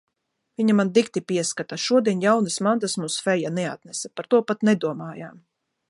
Viņa mani dikti pieskata. Šodien jaunas mantas mums feja neatnesa. Par to pat nedomājām.